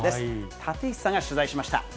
立石さんが取材しました。